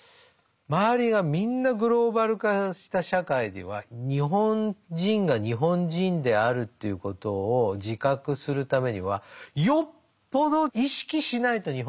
周りがみんなグローバル化した社会では日本人が日本人であるということを自覚するためにはよっぽど意識しないと日本人にはなれないわけ。